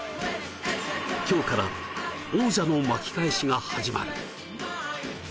今日から王者の巻き返しが始まる。